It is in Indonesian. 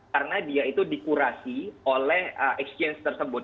karena dia itu dikurasi oleh exchange tersebut